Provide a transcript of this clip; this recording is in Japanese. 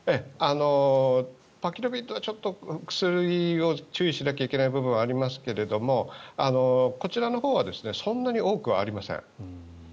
パキロビッドはちょっと薬を注意しなければいけない部分はありますがこちらのほうはそんなに多くはありません。